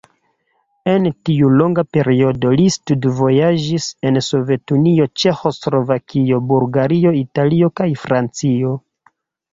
En tiu longa periodo li studvojaĝis en Sovetunio, Ĉeĥoslovakio, Bulgario, Italio kaj Francio.